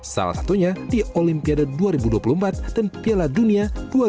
salah satunya di olimpiade dua ribu dua puluh empat dan piala dunia dua ribu dua puluh